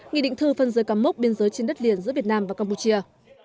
nghị định thư phân giới cắm mốc biên giới trên đất liền giữa việt nam và campuchia